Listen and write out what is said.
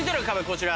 こちら。